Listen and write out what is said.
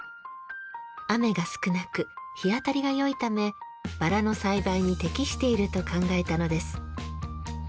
雨が少なく日当たりが良いためバラの栽培に適していると考えたのです。